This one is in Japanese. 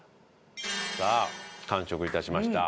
さあ完食致しました。